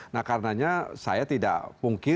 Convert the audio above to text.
nah karenanya saya tidak pungki